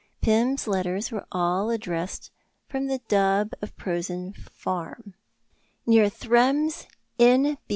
Pym's letters were all addressed from the Dubb of Prosen Farm, near Thrums, N.